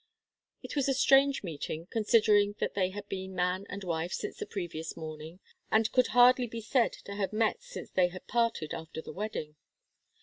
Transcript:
It was a strange meeting, considering that they had been man and wife since the previous morning, and could hardly be said to have met since they had parted after the wedding.